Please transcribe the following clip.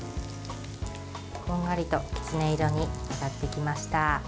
こんがりとキツネ色になってきました。